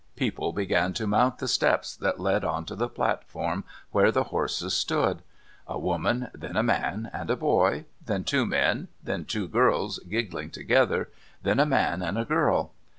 People began to mount the steps that led on to the platform where the horses stood. A woman, then a man and a boy, then two men, then two girls giggling together, then a man and a girl.